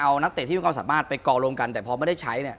คุณผู้ชมบางท่าอาจจะไม่เข้าใจที่พิเตียร์สาร